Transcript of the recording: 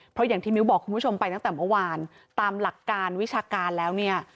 เพราะอย่างที่มิ้วบอกคุณผู้ชมไปตั้งแต่เมื่อวานตามหลักการวิชาการแล้วเนี่ย